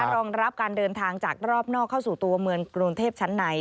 รองรับการเดินทางจากรอบนอกเข้าสู่ตัวเมืองกรุงเทพชั้นใน